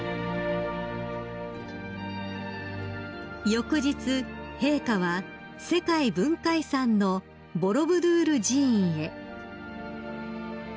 ［翌日陛下は世界文化遺産のボロブドゥール寺院へ］